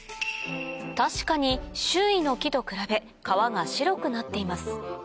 確かに周囲の木と比べ皮が白くなっています